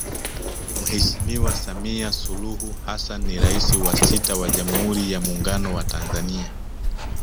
Mheshimiwa Samia Suluhu Hassan ni Rais wa sita wa Jamhuri ya Muungano wa Tanzania